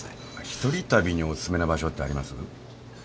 一人旅にお薦めな場所ってあります？